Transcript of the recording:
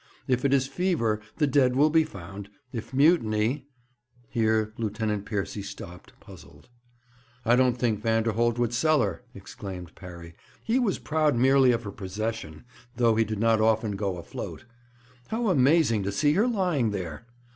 If it is fever, the dead will be found; if mutiny ' Here Lieutenant Piercy stopped, puzzled. 'I don't think Vanderholt would sell her,' exclaimed Parry. 'He was proud merely of her possession, though he did not often go afloat. How amazing to see her lying there!